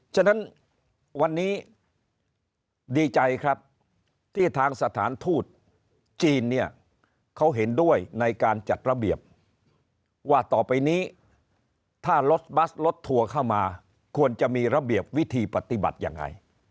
ฉะนั้นวันนี้ดีใจครับที่ทางสถานทูตจีนเนี่ยเขาเห็นด้วยในการจัดระเบียบว่าต่อไปนี้ถ้ารถบัสรถทัวร์เข้ามาควรจะมีระเบียบวิธีปฏิบัติยังไง